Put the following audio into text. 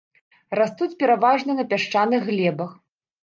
Растуць пераважна на пясчаных глебах.